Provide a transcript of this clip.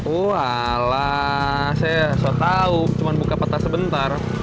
wala saya sudah tahu cuma buka peta sebentar